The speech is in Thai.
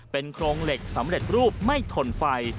เป็นโครงเหล็กสำเร็จรูปไม่ถนไฟ